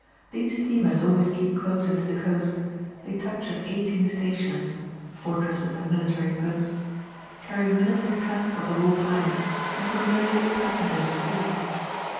These steamers always keep close into the coast; they touch at eighteen stations (fortresses and military posts), carry military transports of all kinds, and convey all passengers free.